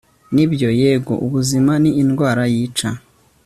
nibyo, yego. ubuzima ni indwara yica